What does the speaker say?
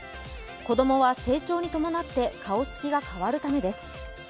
子供は成長に伴って顔つきが変わるためです。